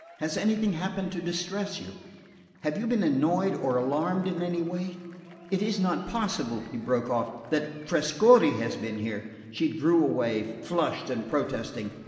Has anything happened to distress you? Have you been annoyed or alarmed in any way? It is not possible," he broke off, "that Trescorre has been here ?" She drew away, flushed and protesting.